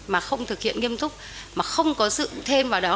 mà không thực hiện nghiêm túc mà không có sự thêm vào đó